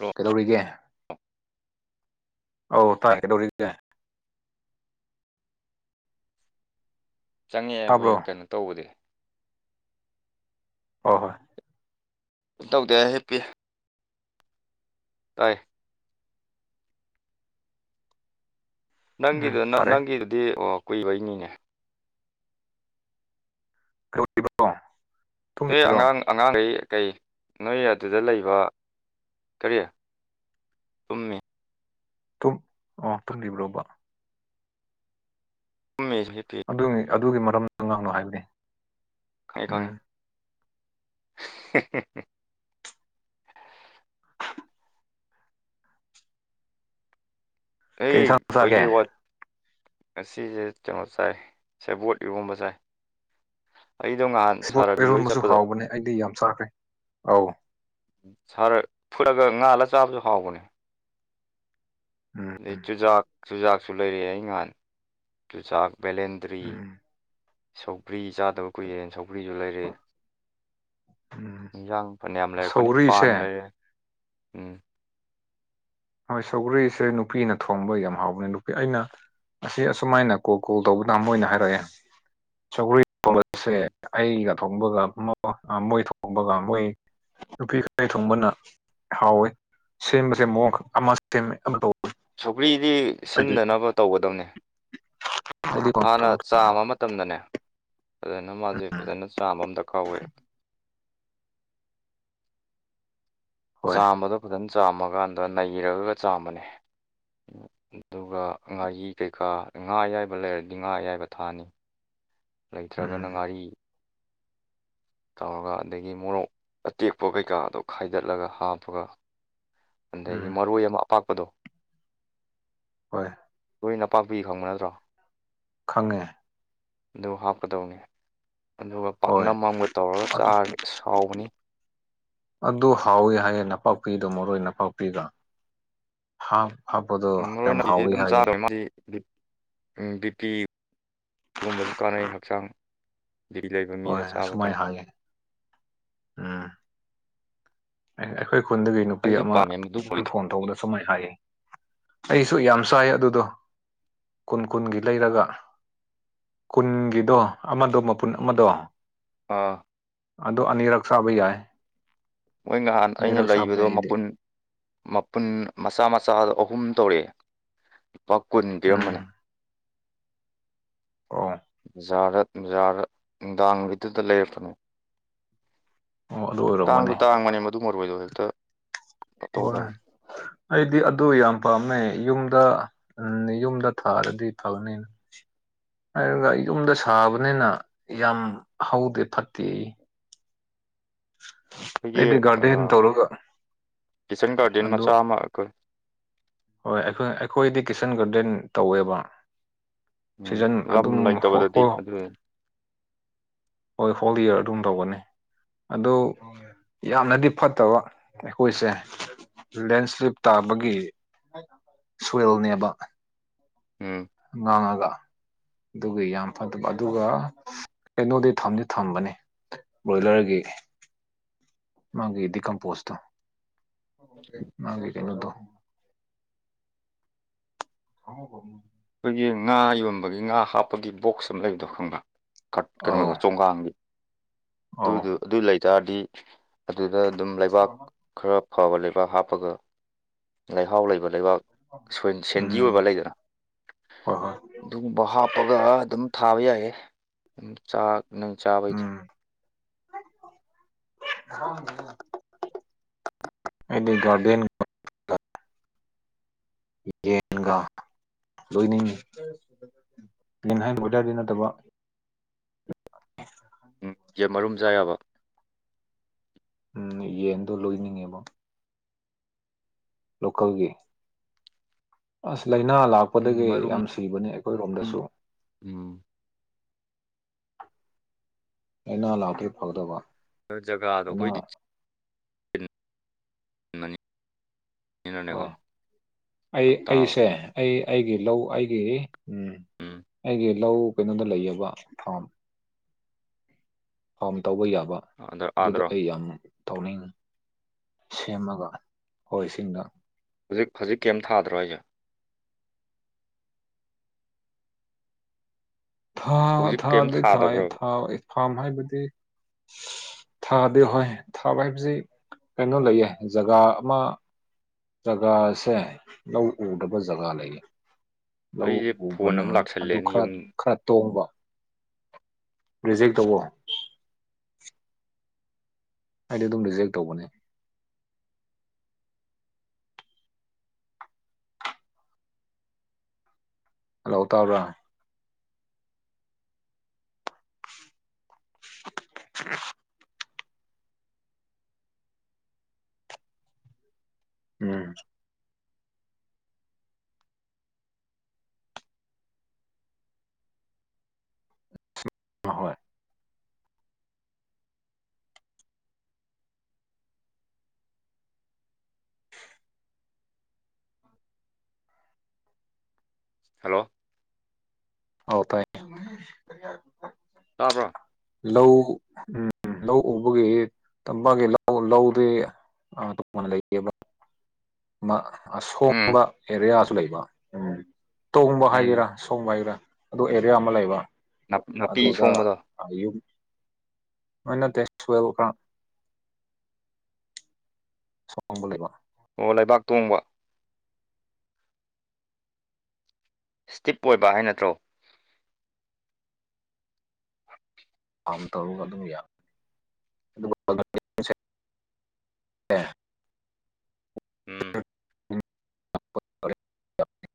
ꯔꯣ ꯀꯩꯗꯧꯔꯤꯒꯦ ꯑꯧ ꯇꯥꯏ ꯀꯩꯗꯧꯔꯤꯒꯦ ꯆꯪꯉꯛꯑꯦ ꯇꯥꯕ꯭ꯔꯣ ꯀꯩꯅꯣ ꯇꯧꯕꯗꯤ ꯍꯣ ꯍꯣꯏ ꯇꯧꯗꯦ ꯍꯤꯞꯄꯤ ꯇꯥꯏ ꯎꯝ ꯅꯪꯒꯤꯗꯨ ꯐꯔꯦ ꯅꯪꯒꯤꯗꯨꯗꯤ ꯑꯣ ꯀꯨꯏꯕꯩꯅꯤꯅꯦ [unintelligible] ꯅ ꯑꯉꯥꯡ ꯑꯉꯥꯡꯈꯩ ꯀꯩ ꯅꯣꯏ ꯑꯗꯨꯗ ꯂꯩꯕ ꯀꯔꯤ ꯇꯨꯝꯃꯤ ꯇꯨ ꯑ ꯇꯨꯝꯂꯤꯕ꯭ꯔꯣꯕ ꯎꯃꯦꯦ ꯑꯗꯨꯒꯤ ꯑꯗꯨꯒꯤ ꯃꯔꯝꯗ ꯉꯥꯡꯅꯨ ꯍꯥꯏꯕꯅꯤ ꯈꯦ ꯈꯪꯉꯦ ꯎꯝ ꯑꯦ ꯀꯩ ꯏꯟꯁꯥꯡ ꯆꯥꯒꯦ ꯈꯣꯏꯒꯤ ꯋꯥꯠ ꯉꯁꯤꯁꯦ ꯀꯩꯅꯣ ꯆꯥꯏ ꯁꯦꯕꯣꯠ ꯏꯔꯣꯟꯕ ꯆꯥꯏ ꯑꯩꯗꯣ ꯉꯍꯥꯟ ꯄꯣꯠ ꯁꯥꯔꯕꯤ ꯍꯣꯏ ꯄꯔꯣꯟꯕꯁꯨ ꯆꯠꯄꯗꯣ ꯍꯥꯎꯕꯅꯦ ꯑꯩꯗꯤ ꯌꯥꯝ ꯆꯥꯈ꯭ꯔꯦ ꯑꯧ ꯁꯥꯔ ꯐꯨꯠꯂꯒ ꯉꯥꯜꯂ ꯆꯥꯕꯁꯨ ꯍꯥꯎꯕꯅꯦ ꯎꯝ ꯑꯗꯩ ꯆꯨꯖꯥꯛ ꯆꯨꯖꯥꯛꯁꯨ ꯂꯩꯔꯛꯑꯦ ꯑꯩꯍꯥꯟ ꯆꯨꯖꯥꯛ ꯕꯦꯂꯦꯟꯗ꯭ꯔꯤ ꯎꯝ ꯁꯧꯒꯔꯤ ꯆꯥꯗꯕ ꯀꯨꯏꯔꯦꯅ ꯁꯧ꯭ꯒꯔꯤꯁꯨ ꯂꯩꯔꯛ ꯎꯝ ꯏꯟꯖꯥꯡ ꯐꯅ ꯌꯥꯝ ꯂꯩꯔꯛꯄꯅꯤ ꯄꯥꯟ ꯁꯧꯒ꯭ꯔꯤꯁꯦ ꯂꯩꯔꯦ ꯎꯝ ꯍꯣꯏ ꯁꯧꯒ꯭ꯔꯤꯁꯦ ꯅꯨꯄꯤꯅ ꯊꯣꯡꯕ ꯌꯥꯝ ꯍꯥꯎꯕꯅꯦ ꯅꯨꯄꯤ ꯑꯩꯅ ꯑꯁꯤ ꯑꯁꯨꯃꯥꯏꯅ ꯀꯣ ꯀꯣꯜ ꯇꯧꯕꯗ ꯃꯣꯏꯅ ꯍꯥꯏꯔꯛꯑꯦ ꯊꯣꯡꯁꯦ ꯎꯝ ꯑꯩꯒ ꯊꯣꯡꯕꯒ ꯃꯣꯏ ꯊꯣꯡꯕꯒ ꯃꯣꯏ ꯅꯨꯄꯤ ꯈꯔ ꯊꯣꯡꯕꯅ ꯍꯥꯎꯋꯤ ꯁꯦꯝꯕꯁꯦ ꯃꯑꯣꯡꯈꯛ ꯑꯃ ꯁꯦꯝꯃꯦ ꯑꯃ ꯁꯧꯒꯔꯤꯗꯤ ꯑꯩꯗꯤ ꯁꯤꯟꯗꯅꯕ ꯇꯧꯒꯗꯕꯅꯦ ꯑꯩꯗꯤ ꯍꯥꯟꯅ ꯄꯪꯊꯣꯡ ꯊꯣꯡꯉꯦ ꯆꯥꯃ ꯃꯇꯝꯗꯅꯦ ꯐꯖꯅ ꯃꯥꯁꯦ ꯎꯝ ꯐꯖꯅ ꯆꯥꯝꯕ ꯑꯃ ꯗꯔꯀꯥ ꯑꯣꯏꯋꯦꯕ ꯍꯣꯏ ꯆꯥꯝꯕꯗꯣ ꯐꯖꯅ ꯆꯥꯝꯃꯀꯥꯟꯗ ꯅꯩꯔꯒꯒ ꯆꯥꯝꯕꯅꯦ ꯑꯗꯨꯒ ꯉꯥꯔꯤ ꯀꯩꯀꯥ ꯉꯥ ꯑꯌꯥꯏꯕ ꯂꯩꯔꯗꯤ ꯉꯥ ꯑꯌꯥꯏꯕ ꯊꯥꯛꯑꯅꯤ ꯂꯩꯇ꯭ꯔꯒꯅ ꯎꯝ ꯉꯥꯔꯤ ꯇꯧꯔꯒ ꯑꯗꯒꯤ ꯃꯣꯔꯣꯛ ꯑꯇꯦꯛꯄ ꯀꯩꯀꯥꯗꯣ ꯈꯥꯏꯗꯠꯂꯒ ꯍꯥꯞꯄꯒ ꯑꯗꯒꯤ ꯎꯝ ꯃꯔꯣꯏ ꯑꯃ ꯑꯄꯥꯛꯄꯗꯣ ꯍꯣꯏ ꯅꯄꯥꯛꯄꯤ ꯈꯪꯕ ꯅꯠꯇ꯭ꯔꯣ ꯈꯪꯉꯦ ꯑꯗꯨ ꯍꯥꯞꯀꯗꯧꯅꯤ ꯑꯗꯨꯒ ꯍꯣꯏ ꯄꯥꯛꯅꯝ ꯑꯃꯒ ꯇꯧꯔꯒ ꯑꯗꯨ ꯆꯥꯔꯗꯤ ꯍꯧꯕꯅꯤ ꯑꯗꯨ ꯍꯥꯎꯋꯤ ꯍꯥꯏꯌꯦ ꯅꯄꯥꯛꯄꯤꯗꯣ ꯃꯔꯣꯏ ꯅꯄꯥꯛꯄꯤꯗ ꯍꯥ ꯃꯔꯣꯏ [unintelligible] ꯕꯤꯄꯤꯒꯨꯝꯕꯁꯨ ꯀꯥꯟꯅꯩ ꯍꯛꯆꯥꯡ ꯕꯤ ꯄꯤ ꯂꯩꯕ ꯃꯤꯗ ꯍꯣꯏ ꯆꯥꯕ ꯑꯁꯨꯃꯥꯏ ꯀꯥꯟꯅꯩ ꯍꯥꯏꯌꯦ ꯎꯝ ꯑꯩꯈꯣꯏ ꯈꯨꯟꯗꯒꯤ ꯅꯨꯄꯤ ꯑꯩꯁꯨ ꯑꯃ ꯄꯥꯝꯃꯦ ꯃꯗꯨꯝꯕꯩꯗꯣ ꯐꯣꯟ ꯇꯧꯕꯗ ꯁꯨꯃꯥꯏꯅ ꯍꯥꯏꯌꯦ ꯑꯩꯁꯨ ꯌꯥꯝ ꯆꯥꯏ ꯑꯗꯨꯗꯣ ꯀꯨꯟ ꯀꯨꯟꯒꯤ ꯂꯩꯔꯒ ꯀꯨꯟꯒꯤꯗꯣ ꯑꯃꯗꯣ ꯄꯨꯟ ꯑꯃꯗꯣ ꯑꯥ ꯑꯗꯨ ꯑꯅꯤꯔꯛ ꯆꯥꯕ ꯌꯥꯏ ꯃꯣꯏ ꯅꯍꯥꯟ ꯑꯩꯅ ꯑꯅꯤꯔꯛ ꯆꯥꯕꯅꯦ ꯂꯩꯕꯗꯣ ꯑꯩꯗꯤ ꯃꯄꯨꯟ ꯃꯄꯨꯟ ꯃꯆꯥ ꯃꯆꯥ ꯑꯍꯨꯝ ꯇꯧꯔꯛꯑꯦ ꯂꯨꯄꯥ ꯀꯨꯟ ꯄꯤꯔꯝꯕꯅꯤ ꯎꯝ ꯑꯣ [inaudible] ꯕꯖꯥꯔ ꯅꯨꯡꯗꯥꯡꯒꯤꯗꯨꯗ ꯂꯩꯔꯛꯄꯅꯦ ꯑꯣ ꯑꯗꯨ ꯇꯥꯡꯁꯨ ꯑꯣꯏꯔꯝꯒꯅꯦ ꯇꯥꯡꯕꯅꯦ ꯃꯗꯨ ꯃꯔꯣꯏꯗꯣ ꯍꯦꯛꯇ ꯍꯣꯏ ꯇꯧꯗꯕꯅꯤ ꯑꯩꯗꯤ ꯑꯗꯨ ꯌꯥꯝ ꯄꯥꯝꯅꯩ ꯌꯨꯝꯗ ꯎꯝ ꯌꯨꯝꯗ ꯊꯥꯔꯗꯤ ꯐꯛꯅꯤꯅ ꯍꯥꯏꯔꯒ ꯌꯨꯝꯗ ꯁꯥꯕꯅꯤꯅ ꯌꯥꯝ ꯍꯧꯗꯦ ꯐꯠꯇꯦ ꯑꯩ ꯑꯩꯈꯣꯏꯒꯤ ꯒꯥꯔꯗꯦꯟ ꯇꯧꯔꯒ ꯀꯤꯠꯆꯟ ꯒꯥꯔꯗꯦꯟ ꯑꯗꯨ ꯃꯆꯥ ꯑꯃ ꯑꯩꯈꯣꯏ ꯍꯣꯏ ꯑꯩꯈꯣꯏ ꯑꯩꯈꯣꯏꯗꯤ ꯀꯤꯠꯆꯟ ꯒꯥꯔꯗꯦꯟ ꯇꯧꯋꯦꯕ ꯎꯝ ꯁꯤꯖꯟ ꯂꯝ ꯑꯗꯨꯝ ꯂꯩꯇꯕꯗꯗꯤ ꯍꯈꯣ ꯑꯗꯨ [unintelligible] ꯍꯣꯏ ꯍꯣꯜ ꯏꯌꯥꯔ ꯑꯗꯨꯝ ꯇꯧꯒꯅꯤ ꯑꯗꯨ ꯌꯥꯝꯅꯗꯤ ꯐꯠꯇꯕ ꯑꯩꯈꯣꯏꯁꯦ ꯂꯦꯟꯁ꯭ꯂꯦꯞ ꯇꯥꯕꯒꯤ ꯁꯋꯦꯜꯅꯦꯕ ꯎꯝ ꯉꯥꯡꯉꯒ ꯑꯗꯨꯒꯤ ꯌꯥꯝ ꯐꯠꯇꯕ ꯑꯗꯨꯒ ꯀꯩꯅꯣꯗꯤ ꯊꯝꯗꯤ ꯊꯝꯕꯅꯦ ꯕ꯭ꯔꯣꯏꯂꯔꯒꯤ ꯃꯥꯒꯤꯗꯤ ꯀꯝꯄꯣꯁꯇꯣ ꯃꯥꯒꯤ ꯀꯩꯅꯣꯗꯣ [inaudible] ꯑꯩꯈꯣꯏꯒꯤ ꯉꯥ ꯌꯣꯟꯕꯒꯤ ꯉꯥ ꯍꯥꯞꯄꯒꯤ ꯕꯣꯛꯁ ꯑꯃ ꯂꯩꯕꯗꯣ ꯈꯪꯕ꯭ꯔ ꯀꯠ ꯀ ꯑꯧ ꯆꯨꯡꯒꯥꯡ ꯑꯧ ꯑꯗꯨ ꯑꯗꯨ ꯂꯩꯇꯥꯥꯔꯗꯤ ꯑꯗꯨꯗ ꯑꯗꯨꯝ ꯂꯩꯕꯥꯛ ꯈꯔ ꯐꯕ ꯂꯩꯕꯥꯛ ꯍꯥꯞꯄꯒ ꯂꯩꯍꯥꯎ ꯂꯩꯕ ꯂꯩꯕꯥꯛ ꯁꯦꯟꯗꯤ ꯎꯝ ꯑꯣꯏꯕ ꯂꯩꯗꯅ ꯍꯣꯏ ꯍꯣꯏ ꯑꯗꯨꯒꯨꯝꯕ ꯍꯥꯞꯄꯒ ꯑꯗꯨꯝ ꯊꯥꯕ ꯌꯥꯏꯌꯦ ꯑꯗꯨ ꯆꯥꯛ ꯅ ꯆꯥꯕꯣꯏ ꯎꯝ ꯑꯩꯗꯤ ꯒꯥꯔꯗꯦꯟ ꯌꯦꯟꯒꯥ ꯂꯣꯏꯅꯤꯡꯏ ꯂꯤꯟ ꯍꯥꯏ ꯑꯣꯏꯗꯥꯔꯗꯤ ꯅꯠꯇꯕ [inaudible] [inaudible] ꯀꯌꯥ ꯃꯔꯨꯝꯖꯥ ꯌꯥꯕ ꯎꯝ ꯌꯦꯟꯗ ꯂꯣꯏꯅꯤꯡꯉꯦꯕꯣ ꯂꯣꯀꯜꯒꯤ ꯑꯁ ꯂꯥꯏꯅꯥ ꯎꯝ ꯂꯥꯛꯄꯗꯒꯤ ꯃꯔꯨꯝ ꯌꯥꯝ ꯁꯤꯕꯅꯦ ꯑꯩꯈꯣꯏꯔꯣꯝꯗꯁꯨ ꯎꯝ ꯑꯅꯥ ꯂꯥꯛꯇꯦ ꯐꯒꯗꯕ ꯖꯒꯥꯗꯣ ꯂꯥꯏꯅꯥ ꯈꯣꯏꯗꯤ ꯅꯤ [unintelligible] ꯍꯣꯏ ꯑꯩ ꯐꯔꯛ ꯇꯥꯕ ꯑꯩꯁꯦ ꯑꯩ ꯑꯩꯒꯤ ꯂꯧ ꯑꯩꯒꯤ ꯎꯝ ꯑꯩꯒꯤ ꯂꯧ ꯀꯩꯅꯣꯗ ꯂꯩꯌꯦꯕ ꯐꯥꯝ ꯐꯥꯝ ꯇꯧꯕ ꯌꯥꯕ ꯑꯥꯗ ꯑꯗꯨꯗꯣ ꯑꯥꯗꯔꯣ ꯑꯩ ꯌꯥꯝ ꯇꯧꯅꯤꯡ ꯁꯦꯝꯃꯒ ꯑꯣꯏꯁꯤꯡꯗ ꯍꯧꯖꯤꯛ ꯍꯧꯖꯤꯛ ꯀꯩꯝ ꯊꯥꯗ꯭ꯔꯣ ꯑꯩꯁꯦ ꯊꯥ ꯍꯧꯖꯤꯛ ꯀꯩꯝ ꯊꯥꯗꯤ ꯊꯥꯏ ꯊꯥꯗꯕ꯭ꯔꯕ ꯊꯥꯎ ꯐꯥꯝ ꯍꯥꯏꯕꯗꯤ ꯊꯥꯗꯤ ꯍꯣꯏ ꯊꯥꯕ ꯍꯥꯏꯕꯁꯤ ꯀꯩꯅꯣ ꯂꯩꯌꯦ ꯖꯒꯥ ꯑꯃ ꯖꯒꯥꯁꯦ ꯂꯧ ꯎꯗꯕ ꯖꯒꯥ ꯂꯩꯌꯦ ꯂꯧ ꯑꯩꯁꯦ ꯐꯣꯟ ꯎꯕꯅ ꯑꯃ ꯑꯗꯨ ꯂꯥꯛꯁꯜꯂꯦꯅꯦ ꯈꯔ ꯌꯨꯝ ꯈꯔ ꯇꯣꯡꯕ ꯔꯤꯖꯦꯛ ꯇꯧꯕ ꯍꯥꯏꯗꯤ ꯑꯗꯨꯝ ꯔꯤꯖꯦꯛ ꯇꯧꯕꯅꯦ ꯍꯂꯥꯎ ꯇꯕ꯭ꯔꯥ [unintelligible] ꯎꯝ ꯑꯍꯣꯏ ꯍꯜꯂꯣ ꯍ ꯇ ꯇꯥꯕ꯭ꯔꯣ ꯂꯧ ꯎꯝ ꯂꯧ ꯎꯕꯒꯤ ꯇꯄꯥꯛꯒꯤ ꯂꯧ ꯂꯧꯗꯤ ꯑ ꯇ ꯐꯅ ꯂꯩ ꯎꯝ ꯑꯁꯣꯡꯕ ꯑꯦꯔꯤꯌꯥꯁꯨ ꯂꯩꯕ ꯎ ꯇꯣꯡꯕ ꯎꯝ ꯍꯥꯏꯒꯦꯔꯥ ꯑꯁꯣꯡꯕ ꯍꯥꯏꯒꯦꯔꯥ ꯑꯗꯨ ꯑꯦꯔꯤꯌꯥ ꯑꯃ ꯂꯩꯕ ꯅꯥꯄꯤ ꯁꯣꯡꯕꯗ ꯃꯩꯅ ꯇꯁ ꯀ ꯁꯝ ꯀ ꯑꯣ ꯂꯩꯕꯥꯛ ꯇꯣꯡꯕ ꯏꯁꯇꯤꯞ ꯑꯣꯏꯕ ꯍꯥꯏ ꯅꯠꯇ꯭ꯔꯣ ꯐꯥꯝ ꯇꯧꯔꯒ ꯑꯗꯨꯝ ꯌꯥꯅꯤ ꯑ ꯎꯝ ꯎꯝ [unintelligible]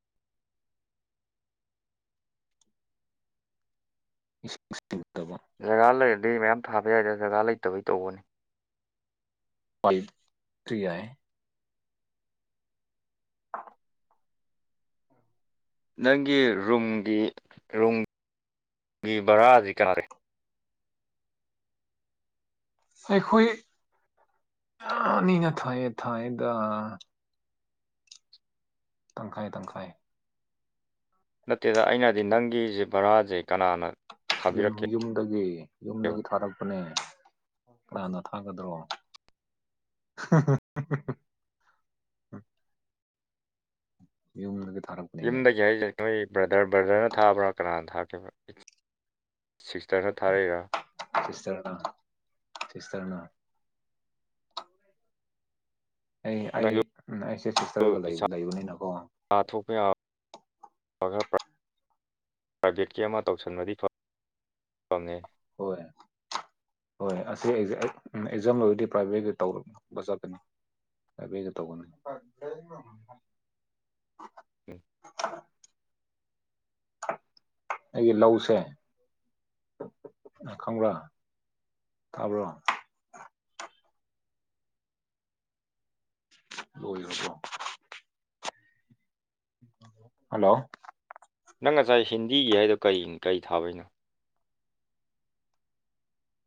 [unintelligible] ꯖꯒꯥ ꯂꯩꯔꯗꯤ ꯃꯌꯥꯝ ꯊꯥꯕ ꯌꯥꯏꯗ ꯖꯒꯥ ꯂꯩꯇꯕꯩ ꯇꯧꯕꯅꯤ [unintelligible] ꯅꯪꯒꯤ ꯔꯨꯝꯒꯤ ꯔꯨꯝꯒꯤ ꯚꯔꯥꯁꯤ ꯀꯅꯥꯔ ꯑꯩꯈꯣꯏ ꯌꯥꯅꯤꯅ ꯊꯥꯏꯌꯦ ꯊꯥꯏꯗ ꯇꯪꯈꯥꯏꯌꯦ ꯇꯪꯈꯥꯏꯌꯦ ꯅꯠꯇꯦꯗ ꯑꯩꯅꯗꯤ ꯅꯪꯒꯤꯁꯦ ꯕꯔꯥꯁꯦ ꯌꯨꯝ ꯌꯨꯝꯗꯒꯤ ꯌꯨꯝꯗꯒꯤ ꯊꯥꯔꯛꯄꯅꯦ ꯀꯅꯥꯅ ꯊꯥꯒꯗ꯭ꯔꯣ [inaudible] ꯌꯒ ꯌꯨꯝꯗꯒꯤ ꯍꯥꯏꯖꯩ ꯅꯣꯏ ꯕ꯭ꯔꯗꯔ ꯕ꯭ꯔꯗꯔꯅ ꯊꯥꯕ꯭ꯔꯥ ꯀꯅꯥꯅ ꯊꯥꯈꯤꯕꯦ ꯁꯤꯛꯁꯇꯔꯅ ꯊꯥꯔꯛꯏꯔ ꯁꯤꯁꯇꯔꯅ ꯁꯤꯁꯇꯔꯅ ꯑꯩ ꯑꯩ ꯅꯪꯁꯨ ꯑꯩꯁꯦ ꯁꯤꯁꯇꯔꯒ ꯄꯩꯁꯥ ꯂꯩꯕꯅꯤꯅꯀꯣ ꯊꯣꯛꯄ ꯌꯥꯕ ꯈꯔ ꯄ꯭ꯔꯥꯏꯚꯦꯠꯀꯤ ꯑꯃ ꯇꯧꯁꯤꯟꯕꯗꯤ ꯐꯝꯅꯦ ꯍꯣꯏꯣꯏ ꯍꯣꯏ ꯑꯁꯤ ꯑꯦꯛꯖꯥꯝ ꯂꯣꯏꯔꯗꯤ ꯄ꯭ꯔꯥꯏꯚꯦꯠꯀꯤ ꯇꯧꯔꯅꯕ ꯆꯠꯀꯅꯤ ꯀꯕꯒ ꯇꯧꯕꯅ ꯎꯝ ꯑꯩꯒꯤ ꯂꯧꯁꯦ ꯈꯝꯥ ꯊꯥꯕ꯭ꯔꯣ ꯍꯒꯣ ꯍꯜꯂꯣ ꯅꯪ ꯉꯁꯥꯏ ꯍꯤꯟꯗꯤꯒꯤ ꯍꯥꯏꯗꯣ ꯀ ꯀꯩ ꯊꯥꯕꯩꯅꯣ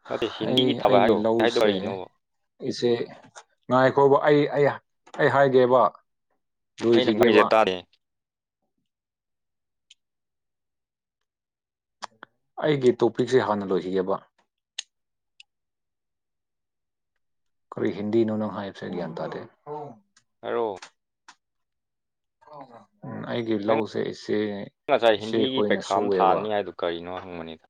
ꯅꯠꯇꯦ ꯑꯩ ꯍꯤꯟꯗꯤꯒꯤ ꯊꯥꯕ ꯑꯩꯒꯤ ꯍꯥꯏꯔꯣ ꯍꯥꯏꯗꯣ ꯂꯧꯁꯦ ꯀꯔꯤꯅꯣꯕ ꯑꯩꯁꯦ ꯉꯥꯏꯈꯣꯕ ꯑꯩ ꯑꯩ ꯑꯩ ꯍꯥꯏꯒꯦꯕ ꯑꯩꯅ ꯈꯪꯁꯦ ꯂꯣꯏꯈꯤꯒꯦꯕ ꯇꯥꯔꯦ ꯑꯩꯒꯤ ꯇꯣꯄꯤꯛꯁꯦ ꯍꯥꯟꯅ ꯂꯣꯏꯈꯤꯒꯦꯕ ꯀꯈꯣꯏ ꯍꯤꯟꯗꯤꯅꯅꯪ ꯍꯥꯏꯁꯦ ꯭ꯌꯥꯟ ꯇꯗꯦ ꯑꯣ ꯍ ꯍ ꯎꯝ ꯑꯩꯒꯤ ꯂꯧꯁꯦ ꯏꯆꯦ ꯉꯁꯥꯏ ꯍꯤꯟꯗꯤꯒꯤ ꯏꯆꯦꯈꯣꯏꯅ ꯄꯩꯈꯥ ꯑꯃ ꯁꯨꯑꯦꯕ ꯊꯥꯅꯤ ꯍꯥꯏꯗꯣ ꯀꯔꯤꯅꯣ ꯍꯪꯕꯅꯤꯗ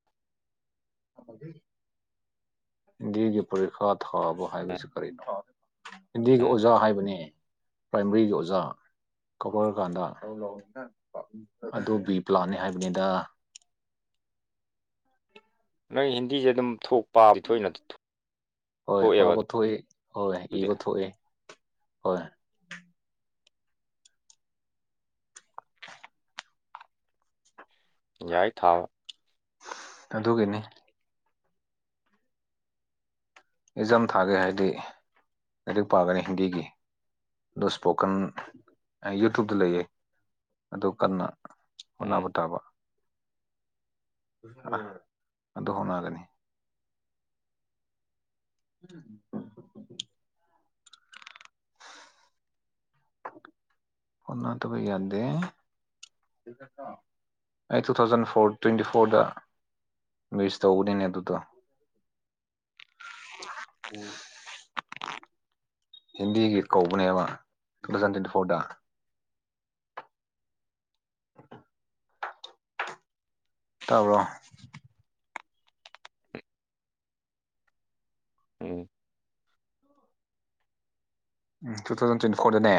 ꯒꯤ ꯄꯔꯤꯈꯥꯋꯥꯕ ꯍꯥꯏꯁꯨ ꯀꯔꯤ ꯏꯤꯟꯗꯤꯒꯤ ꯑꯣꯖꯥ ꯍꯥꯏꯕꯅꯦ ꯄ꯭ꯔꯥꯏꯃꯔꯤꯒꯤ ꯑꯣꯖꯥ ꯀꯧꯔꯀꯥꯟꯗ ꯑꯗꯨ ꯕꯤ ꯄ꯭ꯂꯥꯟꯅꯦ ꯍꯥꯏꯕꯅꯦꯗ [unintelligible] ꯅꯣꯏ ꯍꯤꯟꯗꯤꯁꯦ ꯑꯗꯨꯝ ꯊꯣꯛ ꯍꯣꯏ ꯊꯣꯛꯑꯦꯕ ꯄꯕ ꯊꯣꯛꯏ ꯍꯣꯏ ꯏꯕ ꯊꯣꯛꯑꯦ ꯍꯣꯏ ꯌꯥꯏ ꯊꯥꯕ ꯑꯗꯨꯒꯤꯅꯦ ꯑꯦꯖꯝ ꯊꯥꯒꯦ ꯍꯥꯏꯗꯤ ꯂꯥꯏꯔꯤꯛ ꯄꯥꯒꯅꯤ ꯍꯤꯟꯗꯤꯒꯤ ꯑꯗꯣ ꯁ꯭ꯄꯣꯀꯟ ꯌꯨꯇꯨꯕꯇ ꯂꯩꯌꯦ ꯑꯗꯨ ꯀꯟꯅ ꯍꯣꯠꯅꯕ ꯎꯝ ꯇꯥꯕ [unintelligible] ꯑꯗꯣ ꯍꯣꯠꯅꯒꯅꯤ [unintelligible] [unintelligible] ꯍꯣꯠꯅꯗꯕ ꯌꯥꯗꯦ ꯑꯩ ꯇꯨ ꯊꯥꯎꯖꯟ ꯐꯣꯔ ꯇ꯭ꯋꯦꯟꯇꯤ ꯐꯣꯔꯗ ꯃꯤꯔꯁꯇ ꯎꯗꯤꯅꯦ ꯇ ꯎꯝ ꯍꯤꯟꯗꯤꯒꯤ ꯀꯧꯕꯅꯦꯕ ꯇ ꯖꯟ ꯇ꯭ꯋꯦꯟꯇꯤ ꯐꯣꯔꯗ ꯇꯥꯕ꯭ꯔꯣ ꯎꯝ ꯎꯝ ꯇꯨ ꯊꯥꯎꯖꯟ ꯇ꯭ꯋꯦꯟꯇꯤ ꯐꯣꯔꯗꯅꯦ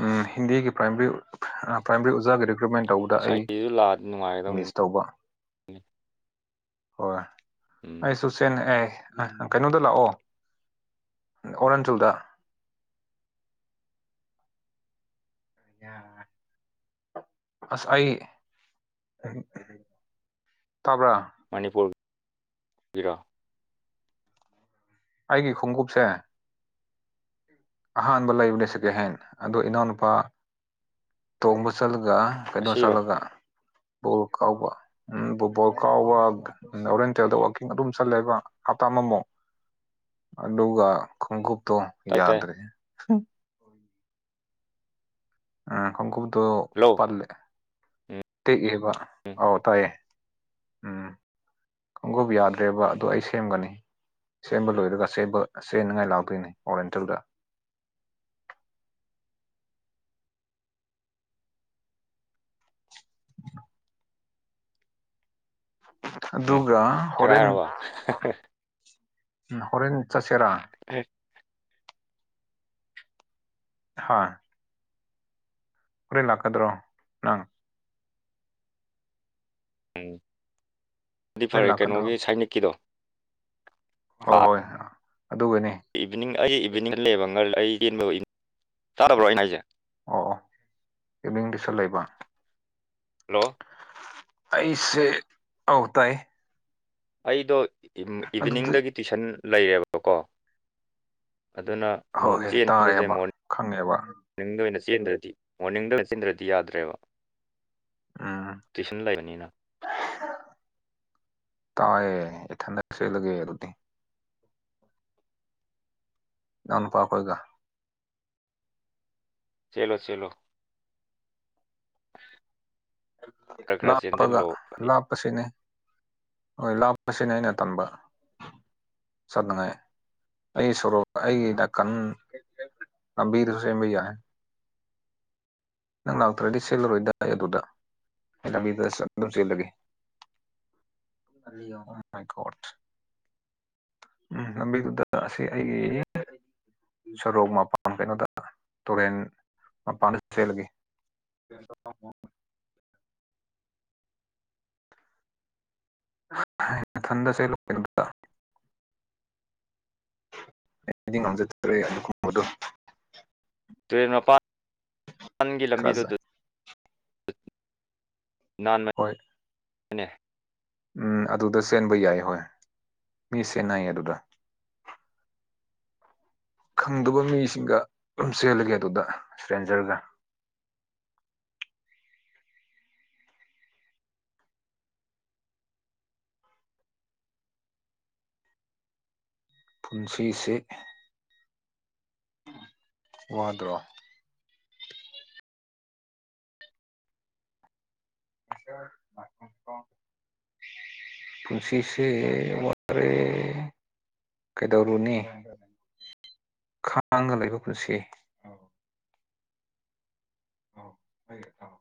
ꯎꯝ ꯍꯤꯟꯗꯤꯒꯤ ꯄ꯭ꯔꯥꯏꯃꯔꯤ ꯄ꯭ꯔꯥꯏꯃꯔꯤ ꯑꯣꯖꯥꯒꯤꯗꯣ ꯀ꯭ꯔꯃꯥꯏꯟ ꯇꯧꯗ ꯑꯩ ꯁꯥꯏꯠꯀꯤꯁꯨ ꯂꯥꯛꯑꯗꯤ ꯅꯨꯡꯉꯥꯏꯒꯗꯧꯅꯤ ꯃꯤꯁ ꯇꯧꯕ ꯍꯣꯏ ꯎꯝ ꯑꯩ ꯁꯨꯁꯟ ꯑꯦ ꯑ ꯀꯩꯅꯣꯗ ꯂꯥꯛꯑꯣ ꯑꯣꯔꯟꯇꯜꯗꯥ ꯌꯥ ꯑꯁ ꯑꯩ ꯇꯥꯕ꯭ꯔꯥ ꯔꯤꯔꯥ ꯑꯩꯒꯤ ꯈꯣꯡꯎꯞꯁꯦ ꯑꯍꯥꯟꯕ ꯂꯩꯕꯅꯦ ꯁꯦꯀꯦꯟ ꯍꯦꯟ ꯑꯗꯣ ꯏꯅꯥꯎꯅꯨꯄꯥ ꯇꯣꯡꯕ ꯆꯠꯂꯒ ꯒꯥ ꯀꯩꯅꯣ ꯉꯁꯤꯔꯣ ꯆꯠꯂꯒ ꯕꯣꯜ ꯀꯥꯎꯕ ꯎꯝ ꯕꯣ-ꯕꯣꯜ ꯀꯥꯎꯕ ꯍꯣꯔꯦꯟ ꯇꯦꯜꯗ ꯋꯥꯀꯤꯡ ꯑꯗꯨꯝ ꯆꯠꯂꯦꯕ ꯍꯞꯇꯥ ꯑꯃꯃꯣ ꯑꯗꯨꯒ ꯈꯣꯡꯎꯞꯇꯣ ꯇꯥꯏ ꯇꯥꯏ ꯌꯥꯗ꯭ꯔꯦ ꯎꯝ ꯈꯣꯡꯎꯞꯇꯣ ꯍꯜꯂꯣ ꯄꯠꯂꯦ ꯇꯦꯛꯑꯦ ꯍꯥꯌꯕ ꯑꯥꯎ ꯇꯥꯏꯌꯦ ꯎꯝ ꯈꯣꯡꯎꯞ ꯌꯥꯗ꯭ꯔꯦꯕ ꯑꯗꯣ ꯑꯩ ꯁꯦꯝꯒꯅꯤ ꯁꯦꯝꯕ ꯂꯣꯏꯔꯒ ꯁꯦꯝꯕ ꯁꯦꯟꯅꯉꯥꯏ ꯂꯥꯛꯇꯣꯏꯅꯤ ꯑꯣꯔꯦꯟꯇꯜꯗ [unintelligible] ꯎꯝ ꯑꯗꯨꯒ ꯁꯦꯒꯥꯏ ꯍꯣꯔꯦꯟ ꯍꯥꯏꯔꯕ [unintelligible] ꯎꯝ ꯍꯣꯔꯦꯟ ꯆꯠꯁꯦꯔꯥ [unintelligible] [inaudible] ꯍꯥ ꯍꯣꯔꯦꯟ ꯂꯥꯛꯀꯗ꯭ꯔꯣ ꯅꯪ ꯎꯝ ꯗꯨꯗꯤ ꯍꯣꯔꯦꯟ ꯐꯔꯦ ꯂꯥꯛꯀꯗ꯭ꯔꯣ ꯀꯩꯅꯣꯒꯤ ꯁꯥꯏꯅꯤꯛꯀꯤꯗꯣ ꯍꯣꯏ ꯂꯥ [unintelligible] ꯍꯣꯏ ꯑꯗꯨꯒꯅꯤ ꯏꯚꯤꯅꯤꯡ ꯑꯩ ꯏꯚꯤꯅꯤꯡꯗ ꯂꯩꯌꯦꯕ ꯉ ꯑꯩ [unintelligible] ꯇꯥꯗꯕ꯭ꯔꯣ ꯑꯩꯅ ꯍꯥꯏꯁꯦ ꯑꯣ ꯑꯣ ꯏꯃꯤꯡꯗ ꯁꯨ ꯂꯩꯕ ꯍꯜꯂꯣ ꯑꯩꯁꯦ ꯑꯧ ꯇꯥꯏꯌꯦ ꯑꯩꯗꯣ [inaudible] ꯏꯚꯤꯅꯤꯡꯗꯒꯤ ꯇꯨꯏꯁꯟ ꯂꯩꯔꯦꯕꯀꯣ ꯑꯗꯨꯅ ꯍꯣꯏ ꯆꯦꯟꯕꯁꯦ ꯇꯥꯔꯦꯕ ꯃꯣꯔꯅꯤꯡ ꯈꯪꯉꯦꯕ ꯃꯣꯔꯅꯤꯡꯗ ꯑꯣꯏꯅ ꯆꯠ ꯆꯦꯟꯗ꯭ꯔꯗꯤ ꯃꯣꯔꯅꯤꯡꯗ ꯆꯤꯟꯗ꯭ꯔꯗꯤ ꯌꯥꯗ꯭ꯔꯦꯕ ꯎꯝ ꯇꯨꯏꯁꯟ ꯂꯩꯕꯅꯤꯅ ꯇꯥꯏꯌꯦ ꯏꯊꯥꯟ ꯆꯦꯜꯂꯒꯦ ꯑꯗꯨꯗꯤ ꯏꯅꯥꯎ ꯅꯨꯄꯥ ꯈꯣꯏꯒ ꯆꯦꯜꯂꯣ ꯆꯦꯜꯂꯣ [inaudible] ꯈꯔ ꯈꯔ ꯂꯥꯞꯄꯒ ꯆꯦꯟꯁꯤꯜꯂꯣ ꯂꯥꯞꯄꯁꯤꯅꯦ ꯍꯣꯏ ꯂꯥꯞꯄꯁꯤꯅꯦ ꯑꯩꯅ ꯇꯝꯕ ꯆꯠꯅꯤꯡꯉꯥꯏ ꯑꯩ ꯁꯣꯔꯣꯛ ꯑꯩꯒꯤ ꯅꯥꯀꯟ ꯂꯝꯕꯤꯗꯨ ꯁꯦꯝꯕ ꯌꯥꯏ ꯅꯪ ꯂꯥꯛꯇꯔꯗꯤ ꯆꯦꯜꯂꯔꯣꯏ ꯗ ꯑꯗꯨꯗ ꯑꯩ ꯂꯝꯕꯤꯗ ꯑꯗꯨꯝ ꯆꯦꯜꯂꯒꯦ [unintelligible] ꯎꯝ ꯂꯝꯕꯤꯗꯨꯗ ꯑꯁꯤ ꯑꯩꯒꯤ ꯁꯣꯔꯣꯛ ꯃꯄꯥꯟ ꯀꯩꯅꯣꯗ ꯇꯨꯔꯦꯟ ꯃꯄꯥꯟ ꯆꯦꯜꯂꯒꯦ ꯊꯟꯗ ꯆꯦꯜꯂꯛꯄ ꯅꯨꯃꯤꯠ ꯇꯣ ꯑꯩꯗꯤ ꯉꯝꯖꯗ꯭ꯔꯦ ꯑꯗꯨꯒꯨꯝꯕꯗꯣ ꯇꯨꯔꯦꯟ ꯃꯄꯥꯜ [inaudible] ꯒꯤ ꯂꯝꯕꯤꯗꯣ ꯈꯔꯁꯦ ꯗꯨ ꯅꯥꯟꯃ ꯍꯣꯏ [inaudible] ꯅꯦ ꯎꯝ ꯑꯗꯨꯗ ꯆꯦꯟꯕ ꯌꯥꯏ ꯍꯣꯏ ꯃꯤ ꯁꯦꯟꯅꯩꯌꯦ ꯑꯗꯨꯗ ꯈꯪꯗꯕ ꯃꯤꯁꯤꯡꯒ ꯆꯦꯜꯂꯒꯦ ꯑꯗꯨꯗ ꯁꯇ꯭ꯔꯦꯟꯖꯔꯒ ꯄꯨꯟꯁꯤꯁꯦ ꯋꯥꯗ꯭ꯔꯣ [unintelligible] ꯄꯨꯟꯁꯤꯁꯦ ꯋꯥꯔꯦ ꯀꯩꯗꯧꯔꯨꯅꯤ ꯈꯥꯡꯒ ꯂꯩꯕ ꯄꯨꯟꯁꯤ ꯑꯥꯎ ꯐꯩ ꯏꯇꯥꯎ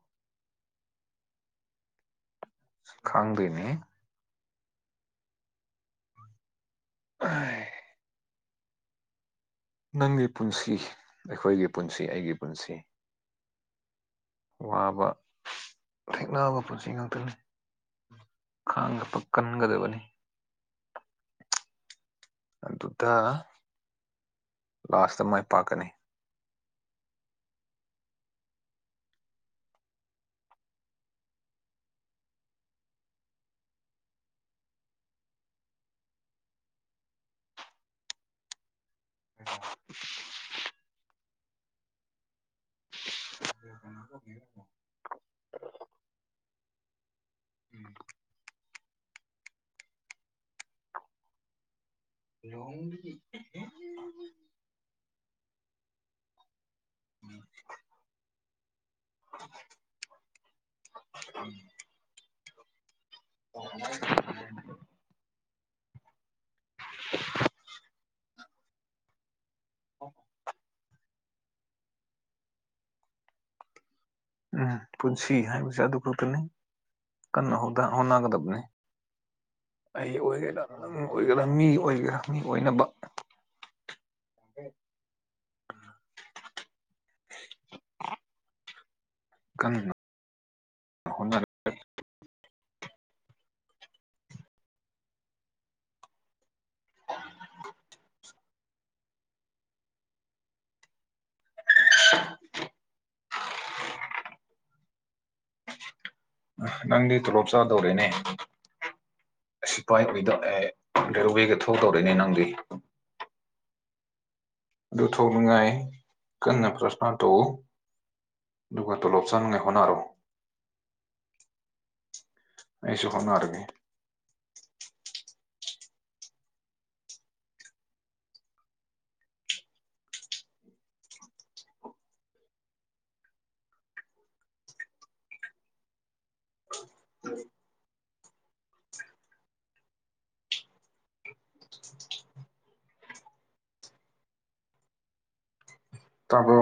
ꯈꯪꯗꯦꯅꯤ [unintelligible] ꯅꯪꯒꯤ ꯄꯨꯟꯁꯤ ꯑꯩꯈꯣꯏꯒꯤ ꯄꯨꯟꯁꯤ ꯑꯩꯒꯤ ꯄꯨꯟꯁꯤ ꯋꯥꯕ ꯊꯦꯡꯅꯕ ꯄꯨꯟꯁꯤ ꯉꯥꯛꯇꯅꯤ ꯈꯥꯡꯕ ꯀꯟꯒꯗꯕꯅꯤ ꯑꯗꯨꯗ ꯂꯥꯁꯇ ꯃꯥꯏ ꯄꯥꯛꯀꯅꯤ [unintelligible] [unintelligible] [unintelligible] ꯂꯣꯡ [unintelligible] [inaudible] [unintelligible] [unintelligible] [unintelligible] [unintelligible] ꯎꯝ ꯄꯨꯟꯁꯤ ꯍꯥꯏꯕꯁꯤ ꯑꯗꯨ ꯈꯛꯇꯅꯤ ꯀꯟꯅ ꯍꯣꯗ ꯍꯣꯠꯅꯥꯒ ꯗꯕꯅꯦ ꯑꯩ ꯑꯣꯏꯒꯦꯔꯥ ꯅꯪ ꯑꯣꯏꯒꯦꯔꯥ ꯃꯤ ꯑꯣꯏꯒꯦꯔꯥ ꯃꯤ ꯑꯣꯏꯅꯕ [unintelligible] [inaudible] [unintelligible] ꯅꯪꯗꯤ ꯇꯣ ꯂꯣꯞꯆꯥꯥꯗꯧꯔꯦꯅꯦ ꯑꯁꯤ ꯄꯥꯏ ꯎꯏꯗꯣ ꯑꯦ ꯔꯦꯜ ꯋꯦꯒ ꯊꯣꯛ ꯇꯧꯔꯛꯏꯅꯦ ꯅꯪꯗꯤ ꯑꯗꯨ ꯊꯣꯛꯅꯤꯡꯉꯥꯏ ꯀꯟꯅ ꯄ꯭ꯔꯁꯅ ꯇꯧꯎ ꯗꯗꯨꯀ ꯇꯂꯞ ꯆꯥꯟꯉ ꯑꯦꯍꯣꯅꯔꯣ ꯑꯩꯁꯨ ꯍꯣꯠꯅꯔꯒꯦ ꯇꯥꯕꯣ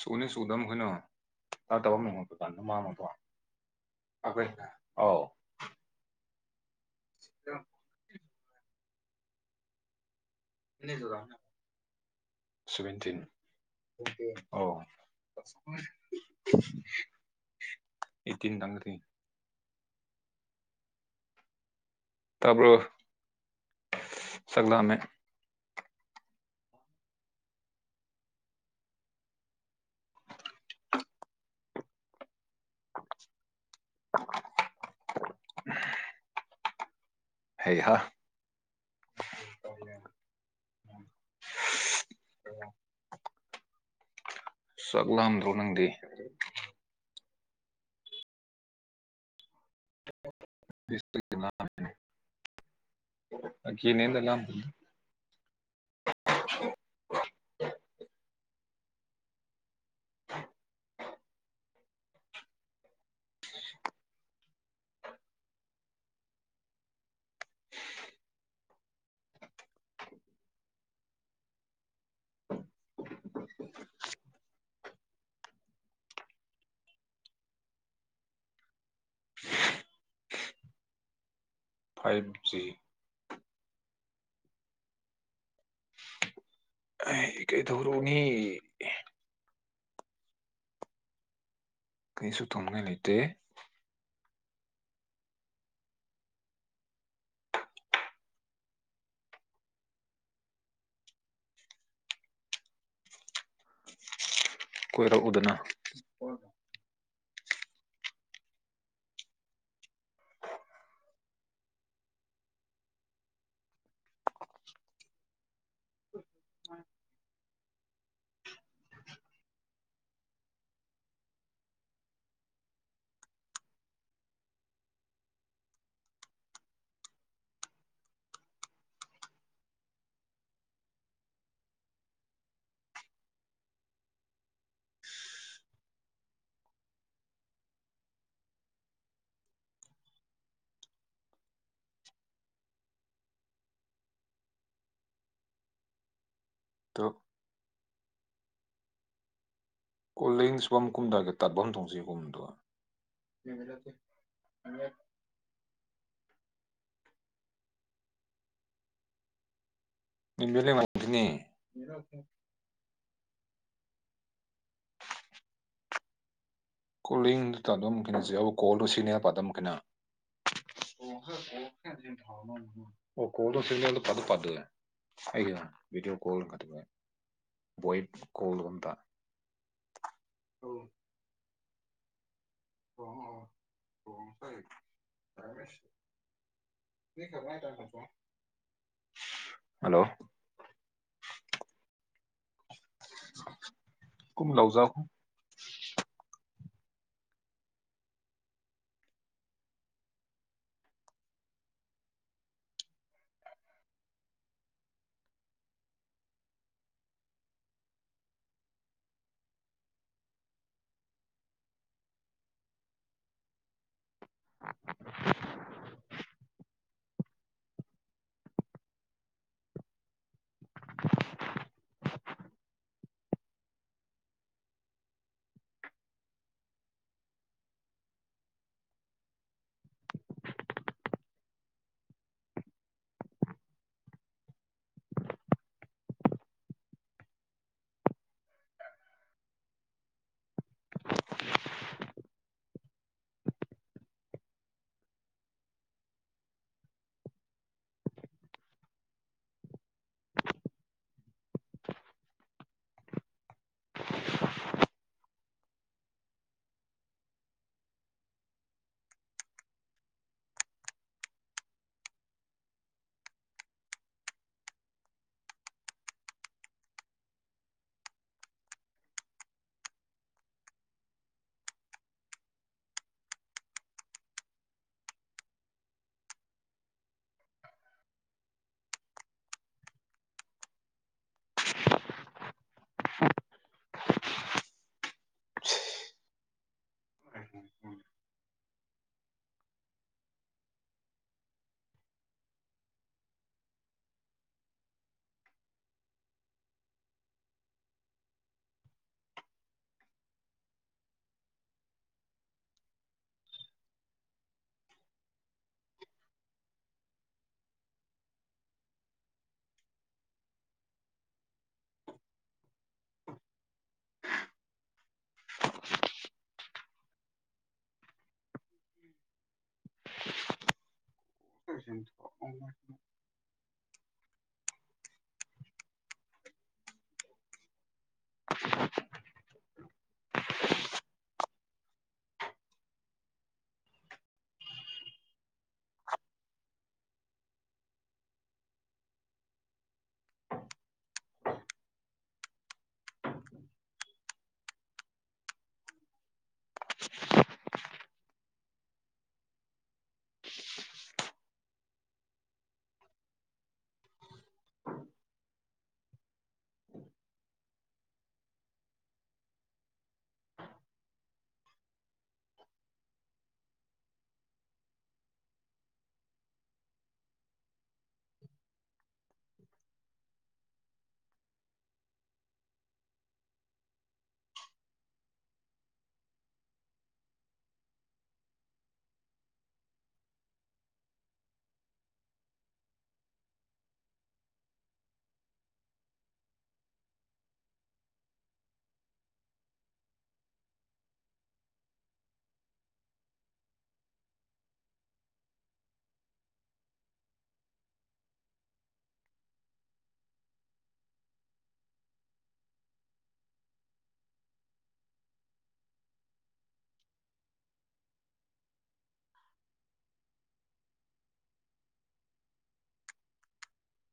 ꯁꯨꯅꯤ ꯁꯨꯗ ꯑꯩꯈꯣꯏꯅ ꯇꯥ ꯇꯕ ꯑꯃ ꯅꯉꯄ ꯀꯥꯟꯗ ꯃꯥꯡꯉꯗꯣ ꯑꯈ ꯑ ꯁꯚꯦꯟꯇꯤꯟ ꯑꯧ ꯇꯪ ꯊ ꯇꯕ꯭ꯔꯣ ꯁꯒꯗꯥꯃꯦ ꯍꯩꯍ ꯆꯥꯛ ꯂꯥꯝꯗꯣ ꯅꯪꯗꯦ ꯀ ꯅꯗ ꯂ ꯐꯥꯏꯚꯖꯤ ꯇ ꯀꯩ ꯔꯅꯤ ꯍ ꯑꯇꯩ ꯀꯣꯏꯔꯛꯎꯗꯅ ꯑꯗꯣ [unintelligible] [unintelligible] [inaudible] [unintelligible] [inaudible] ꯀꯣꯂꯤꯡꯗꯨꯗ ꯑꯗꯨꯝ ꯀꯩꯅꯁ ꯀꯣꯜꯗꯣ ꯁꯤꯖꯤꯟꯅꯄ ꯑꯗꯨꯝ ꯀꯩꯅ ꯀꯣꯗꯣ ꯁꯤꯗ ꯐ ꯄꯥꯗ ꯂ ꯑꯩ ꯕꯤꯗꯤꯑꯣ ꯀꯜ ꯀꯠꯇꯒꯦ ꯀꯣꯜꯒꯗ ꯑ ꯑ ꯈꯕꯔ ꯇꯃ ꯐꯣ ꯍꯜꯂꯣ ꯀꯨꯝ ꯂꯥꯎꯖꯥꯎ ꯍꯣ [unintelligible] ꯎ ꯎ ꯑ ꯆ [unintelligible]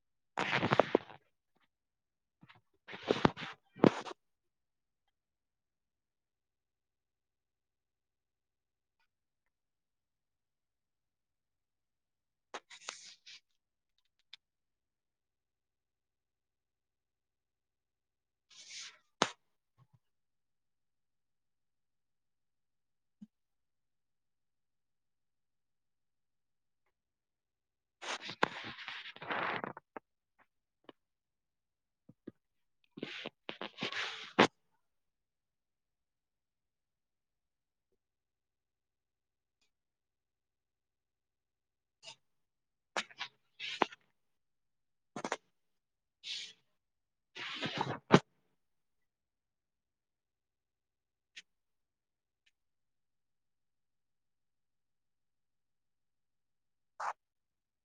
[inaudible] ꯎ [inaudible] [inaudible] [inaudible]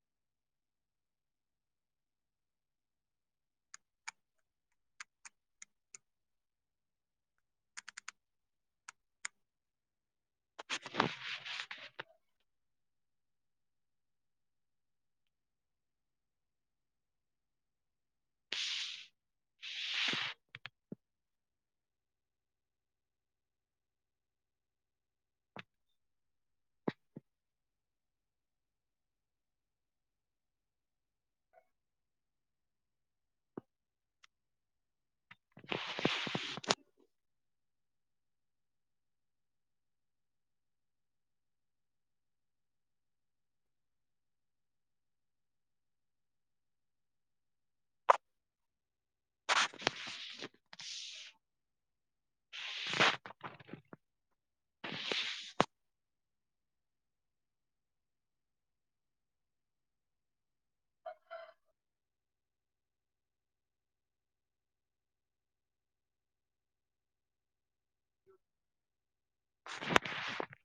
ꯐ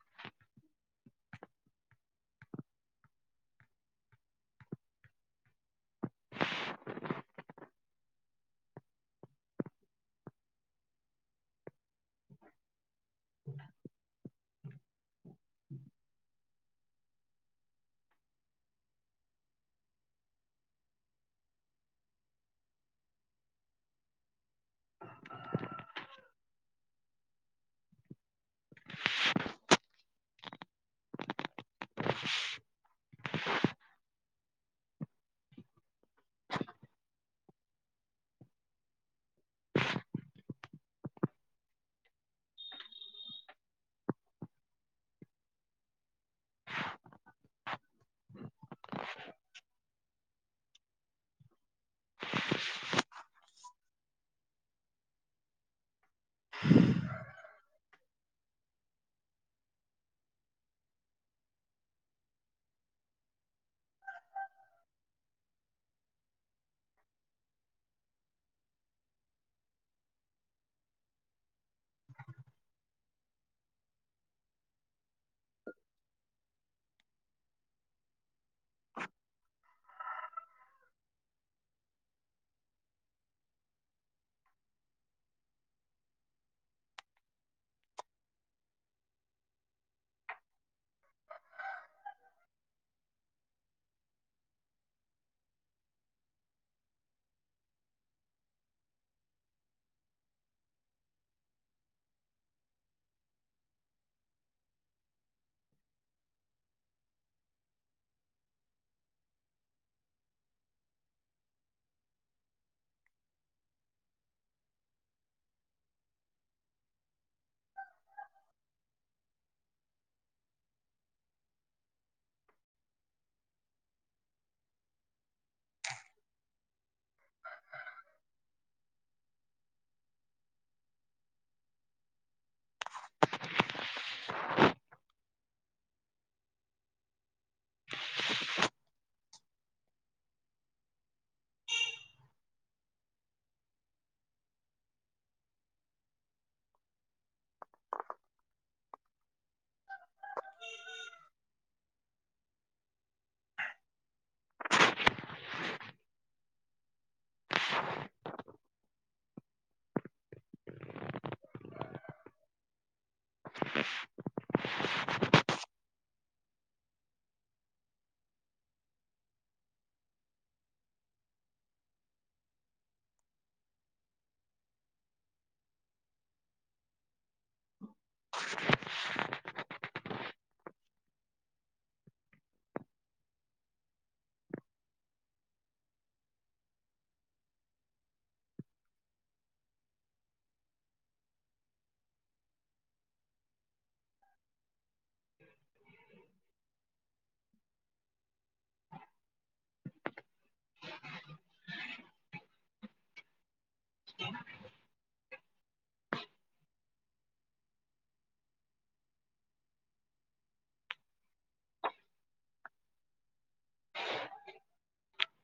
ꯎ [inaudible] [unintelligible] [inaudible] [unintelligible] [unintelligible] [inaudible] [inaudible] [unintelligible]